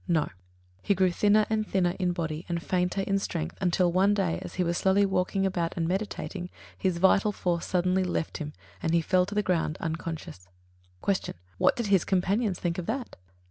No. He grew thinner and thinner in body and fainter in strength until, one day, as he was slowly walking about and meditating, his vital force suddenly left him and he fell to the ground unconscious. 57. Q. _What did his companions think of that?